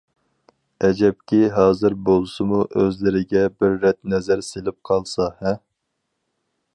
ئەجەبكى ھازىر بولسىمۇ ئۆزلىرىگە بىر رەت نەزەر سېلىپ قالسا ھە!